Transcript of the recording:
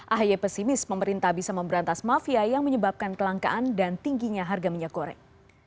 ahy pesimis pemerintah bisa memberantas mafia yang menyebabkan kelangkaan dan tingginya harga minyak goreng